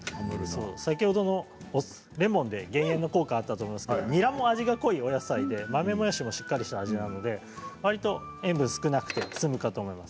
先ほど、レモンで減塩の効果があったと思いますがにらも味の濃いお野菜で豆もやしもしっかりしたお野菜なのでわりと塩分が少なくて済むと思います。